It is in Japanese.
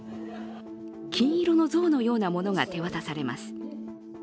金色の像のようなものが手渡されます。